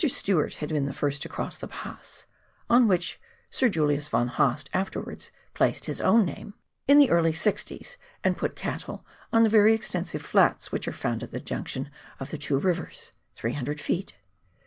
Stewart had been the first to cross the pass (on which Sir Julius von Haast afterwards placed his own name) in the early sixties, and put cattle on the very extensive flats which are found at the junction of the two rivers (300 ft.).